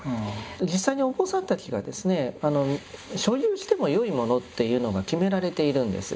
実際にお坊さんたちがですね所有してもよいものっていうのが決められているんです。